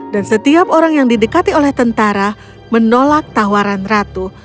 dan setiap orang yang didekati oleh tentara menolak tawaran ratu